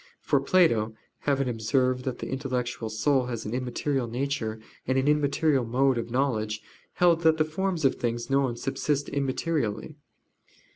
For Plato, having observed that the intellectual soul has an immaterial nature, and an immaterial mode of knowledge, held that the forms of things known subsist immaterially.